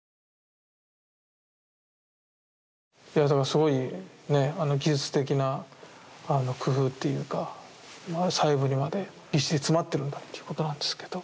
すごいね技術的な工夫っていうか細部にまでぎっしり詰まってるんだっていうことなんですけど。